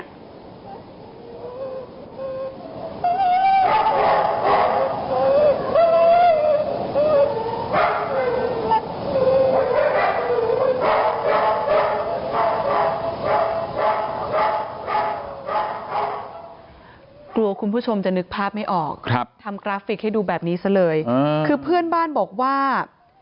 กลัวคุณผู้ชมจะนึกภาพไม่ออกครับทำกราฟิกให้ดูแบบนี้ซะเลยคือเพื่อนบ้านบอกว่า